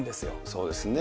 そうですね。